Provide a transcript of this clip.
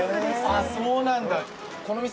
あっそうなんだ。